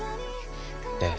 ええ